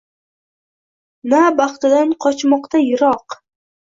Na baxtidan qochmoqda yiroq!